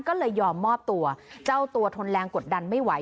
ก็เลยยอมมอบตัวเจ้าตัวทนแรงกดดันไม่ไหว